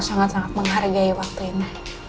sangat sangat menghargai waktu ini